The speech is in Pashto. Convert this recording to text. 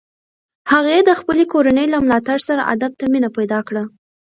هغې د خپلې کورنۍ له ملاتړ سره ادب ته مینه پیدا کړه.